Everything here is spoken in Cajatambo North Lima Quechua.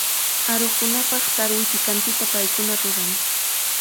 Aruqkunapaq tarwi pikantita paykuna ruran.